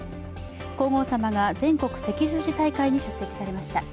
皇后さまが全国赤十字大会に出席されました。